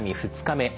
２日目。